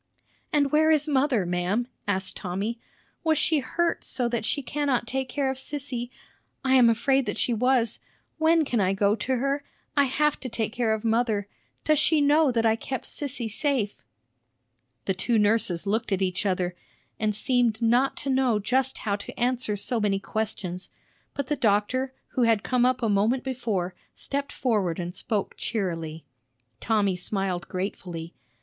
"And where is mother, ma'am?" asked Tommy. "Was she hurt so that she cannot take care of Sissy? I am afraid that she was. When can I go to her? I have to take care of mother. Does she know that I kept Sissy safe?" The two nurses looked at each other, and seemed not to know just how to answer so many questions; but the doctor, who had come up a moment before, stepped forward and spoke cheerily. Tommy smiled gratefully.